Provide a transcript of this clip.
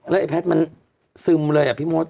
ไอ้แพทย์มันซึมเลยอ่ะพี่มด